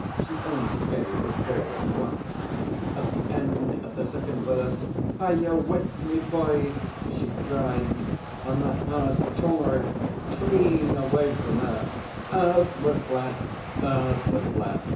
She only gave the chorus once. At the end of the second verse, 'Are you with me, boys?' she cried, and the house tore it clean away from her 'Earth was flat Earth was flat.